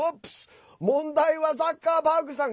問題はザッカーバーグさん